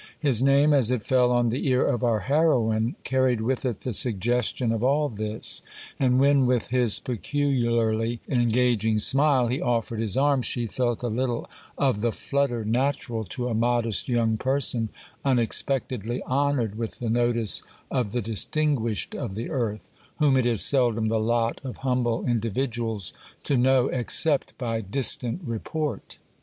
His name, as it fell on the ear of our heroine, carried with it the suggestion of all this; and when, with his peculiarly engaging smile, he offered his arm, she felt a little of the flutter natural to a modest young person unexpectedly honoured with the notice of the distinguished of the earth, whom it is seldom the lot of humble individuals to know except by distant report.